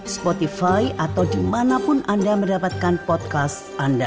spotify atau dimanapun anda mendapatkan podcast anda